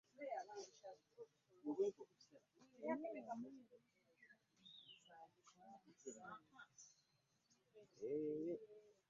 Lino libeera liggwa lyennyini.